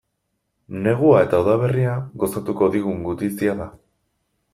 Negua eta udaberria gozatuko digun gutizia da.